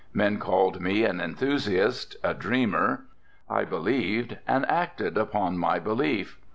Men called me an enthusiast, a dreamer. I believed and acted upon my belief.